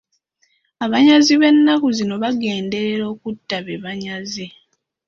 Abanyazi b'ennaku zino bagenderera okutta be banyaze.